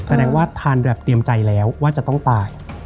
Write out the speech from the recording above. แสดงว่าทานแบบเตรียมใจแล้วว่าจะต้องตาย